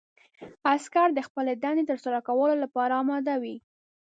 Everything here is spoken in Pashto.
عسکر د خپلې دندې ترسره کولو لپاره اماده وي.